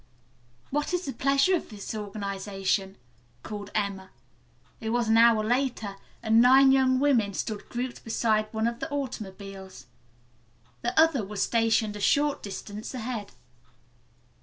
"What is the pleasure of this organisation?" called Emma. It was an hour later, and nine young women stood grouped beside one of the automobiles. The other was stationed a short distance ahead.